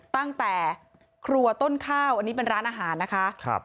ตั้งแต่ครัวต้นข้าวอันนี้เป็นร้านอาหารนะคะ